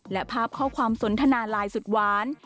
และภาพข้อความสนทนาไลน์สุดหวาน